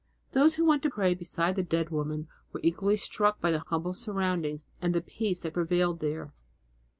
Those who went to pray beside the dead woman were equally struck by the humble surroundings and the peace that prevailed there.